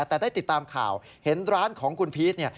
แต่ได้ติดตามข่าวเห็นร้านของคุณพีชเนี่ย